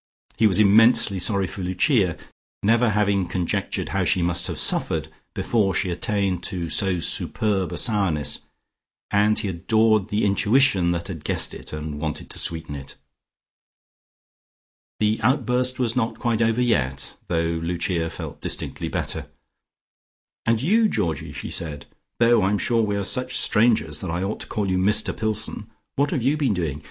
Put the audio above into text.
He was immensely sorry for Lucia, never having conjectured how she must have suffered before she attained to so superb a sourness, and he adored the intuition that had guessed it and wanted to sweeten it. The outburst was not quite over yet, though Lucia felt distinctly better. "And you, Georgie," she said, "though I'm sure we are such strangers that I ought to call you Mr Pillson, what have you been doing?